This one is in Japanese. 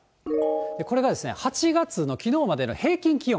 これが８月のきのうまでの平均気温。